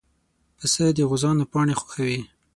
پسه د غوزانو پاڼې خوښوي.